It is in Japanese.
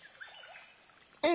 うん。